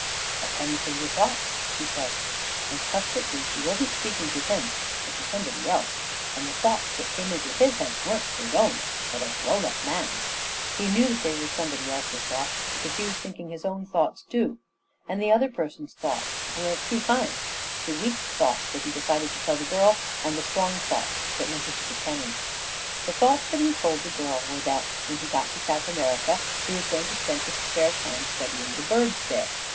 "A penny for your thoughts," she said, and Cuthbert knew that she wasn't speaking to him, but to somebody else; and the thoughts that came into his head weren't his own, but a grown up man's. He knew that they were somebody else's thoughts, because he was thinking his own thoughts too; and the other person's thoughts were of two kinds the weak thoughts that he decided to tell the girl, and the strong thoughts that went into the penny. The thoughts that he told the girl were that, when he got to South America, he was going to spend his spare time studying the birds there.